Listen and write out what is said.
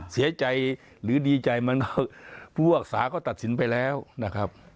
เสียใจหรือดีใจมากผู้ภาคศาก็ตัดสินไปแล้วนะครับ